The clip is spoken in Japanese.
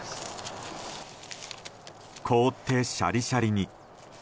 凍ってシャリシャリに。